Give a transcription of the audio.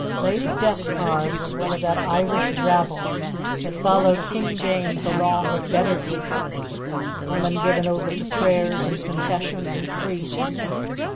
"Lady Despard was one of that Irish rabble that followed King James along with better people, a woman given over to prayers and confessions and priests.